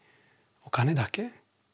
お金だけ？